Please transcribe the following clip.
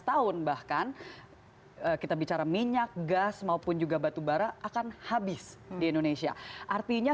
empat belas tahun bahkan kita bicara minyak gas maupun juga batubara akan habis di indonesia artinya